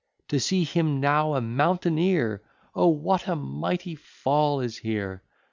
To see him now a mountaineer! Oh! what a mighty fall is here!